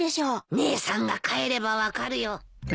姉さんが帰れば分かるよ。